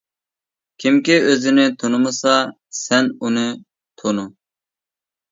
كىمكى ئۆزىنى تونۇمىسا، سەن ئۇنى تونۇ.